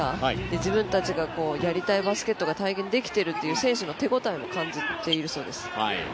自分たちがやりたいバスケットが体現できてるっていう選手の手応えも感じてるそうです。